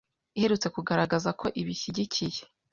iherutse kugaragaza ko ibushyigikiye